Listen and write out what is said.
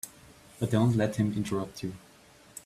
But don't let him interrupt you.